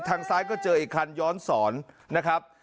ทางซ้ายก็เจออีกคันย้อนสอนนะครับ